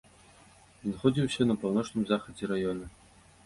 Знаходзіўся на паўночным захадзе раёна.